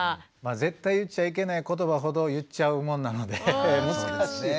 絶対言っちゃいけない言葉ほど言っちゃうもんなので難しい。